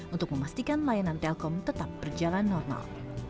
untuk memastikan layanan telkom tetap berjalan normal